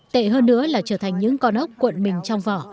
tệ hơn nữa là trở thành những con ốc cuộn mình trong vỏ